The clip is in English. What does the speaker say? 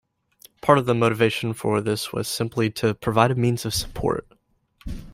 Part of the motivation for this was simply to provide a means of support.